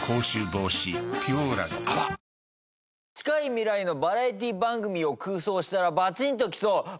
近い未来のバラエティー番組を空想したらバチンときそう！